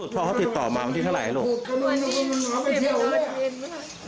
พ่อเขาติดต่อมาวันที่เท่าไหร่ลูก